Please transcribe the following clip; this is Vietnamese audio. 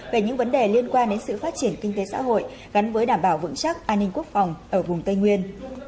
về những vấn đề liên quan đến sự phát triển kinh tế xã hội gắn với đảm bảo vững chắc an ninh quốc phòng ở vùng tây nguyên